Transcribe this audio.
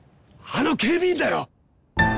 あの警備員だよ！